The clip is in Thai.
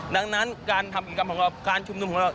ดังนั้นการทำการชุมนุมของเรานั้น